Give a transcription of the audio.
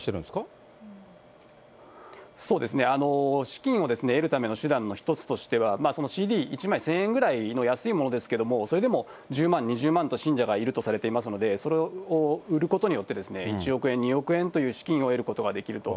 資金を得るための手段の一つとしては、そのＣＤ１枚１０００円ぐらいの安いものですけれども、それでも１０万、２０万と信者がいるとされていますので、それを売ることによって、１億円、２億円という資金を得ることができると。